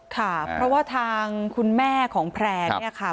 ค่ะเพราะว่าทางคุณแม่ของแพรร์